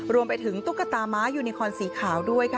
รวมไปถึงตุ๊กกระตาหมายูนีคอร์นสีขาวด้วยค่ะ